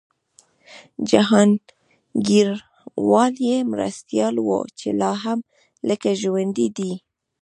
جهانګیروال یې مرستیال و چي لا هم لکه چي ژوندی دی